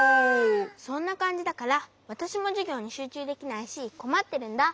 そんなかんじだからわたしもじゅぎょうにしゅうちゅうできないしこまってるんだ。